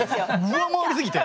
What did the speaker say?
上回りすぎて。